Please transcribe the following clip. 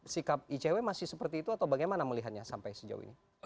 sikap icw masih seperti itu atau bagaimana melihatnya sampai sejauh ini